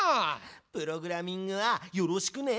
プログラミングはよろしくね！